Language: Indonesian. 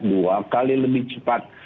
dua kali lebih cepat